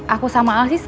aku sama al sih sebenernya